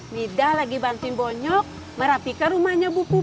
mida lagi bantuin bonyok merapikan rumahnya bu puput